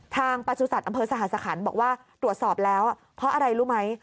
ประสุทธิ์อำเภอสหสคัญบอกว่าตรวจสอบแล้วเพราะอะไรรู้ไหม